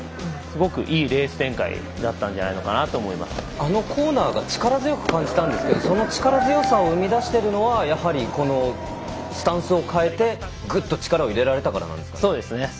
すごくいいレース展開だったんじゃないかなとあのコーナーが力強く感じましたがその力強さを生み出しているのはスタンスを変えてぐっと力を入れられたからそうですね。